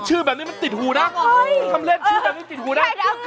ชื่อแบบนี้มันติดหูนะคำเล่นชื่อแบบนี้มันติดหูนะคือยายดาวข่าวอีกหรอ